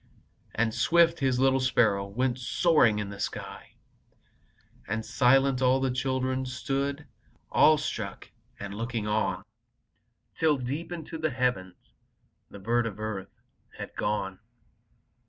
And swift, His little sparrow Went soaring to the sky, And silent, all the children Stood, awestruck, looking on, Till, deep into the heavens, The bird of earth had gone.